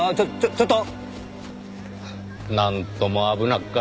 ちょっと！